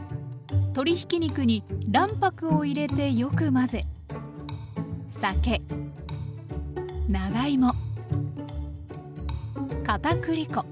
鶏ひき肉に卵白を入れてよく混ぜ酒長芋かたくり粉